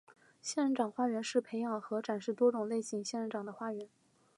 仙人掌花园是培养和展示多种类型仙人掌的花园。